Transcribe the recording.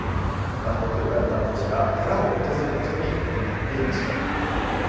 観光協会の担当者が、寺を訪れた人にふるまっていました。